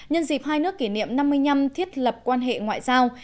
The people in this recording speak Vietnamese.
nhân dịp hai nước kỷ niệm năm mươi năm thiết lập quan hệ ngoại giao